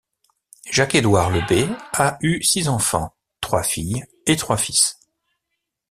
Jacques-Édouard Lebey a eu six enfants, trois filles et trois fils.